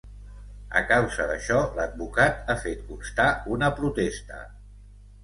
A causa d’això, l’advocat ha fet constar una protesta.